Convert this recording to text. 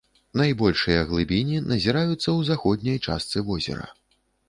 Найбольшыя глыбіні назіраюцца ў заходняй частцы возера.